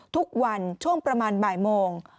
ทุกวันช่วงประมาณบ่ายโมง